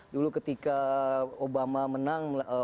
dulu ketika obama menang